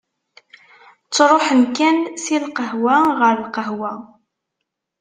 Ttruḥen kan si lqahwa ɣer lqahwa.